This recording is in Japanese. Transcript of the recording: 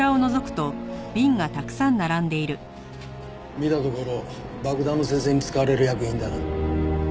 見たところ爆弾の生成に使われる薬品だな。